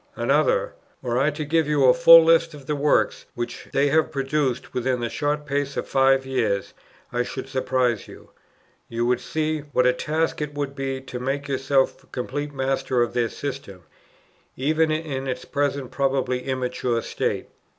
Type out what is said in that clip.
Another: "Were I to give you a full list of the works, which they have produced within the short space of five years, I should surprise you. You would see what a task it would be to make yourself complete master of their system, even in its present probably immature state.